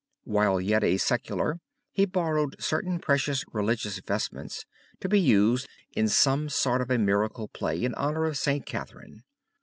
While yet a secular he borrowed certain precious religious vestments to be used in some sort of a miracle play in honor of St. Catherine.